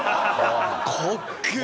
かっけえ！